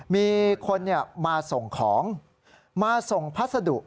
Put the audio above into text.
มีคนมาส่งของมาส่งพัสดุ